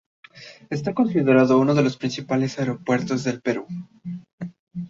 Está considerado uno de los principales aeropuertos del Perú.